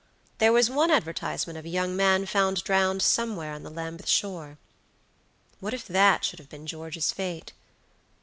There was one advertisement of a young man found drowned somewhere on the Lambeth shore. What if that should have been George's fate?